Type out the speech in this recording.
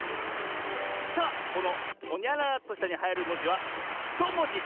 さあこの「ほにゃららっとした」にはいるもじは１もじ。